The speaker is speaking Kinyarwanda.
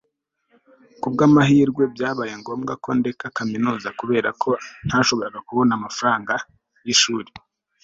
Kubwamahirwe byabaye ngombwa ko ndeka kaminuza kubera ko ntashoboraga kubona amafaranga yishuri